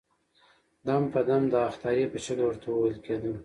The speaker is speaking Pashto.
دم په دم د اخطارې په شکل ورته وويل کېدل.